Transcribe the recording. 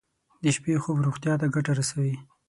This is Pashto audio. د شپې خوب روغتیا ته ګټه رسوي.